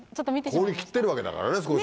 氷切ってるわけだからね少しね。